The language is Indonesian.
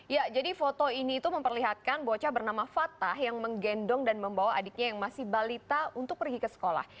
ya jadi foto ini itu memperlihatkan bocah bernama fatah yang menggendong dan membawa adiknya yang masih balita untuk pergi ke sekolah